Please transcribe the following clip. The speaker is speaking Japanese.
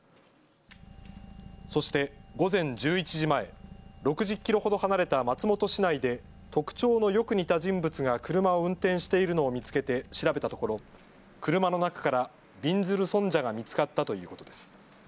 そして午前１１時前、６０キロほど離れた松本市内で特徴のよく似た人物が車を運転しているのを見つけて調べたところ車の中からびんずる尊者が見つかったということです。